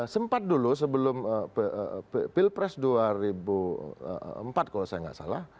sempat dulu sebelum pilpres dua ribu empat kalau saya nggak salah